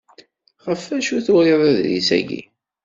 Ɣef acu i turiḍ aḍris-agi?